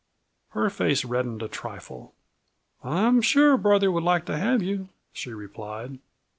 Her face reddened a trifle. "I'm sure brother would like to have you," she replied.